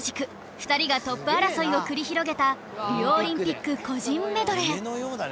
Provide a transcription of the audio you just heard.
２人がトップ争いを繰り広げたリオオリンピック個人メドレー